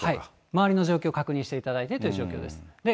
周りの状況を確認していただいてという状況ですね。